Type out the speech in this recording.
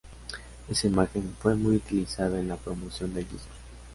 Esa imagen fue muy utilizada en la promoción del disco.